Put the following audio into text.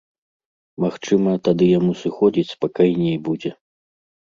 Магчыма, тады яму сыходзіць спакайней будзе.